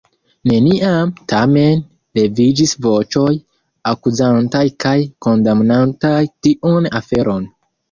Neniam, tamen, leviĝis voĉoj akuzantaj kaj kondamnantaj tiun aferon.